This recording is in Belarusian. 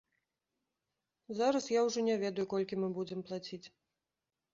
Зараз я ўжо не ведаю, колькі мы будзем плаціць.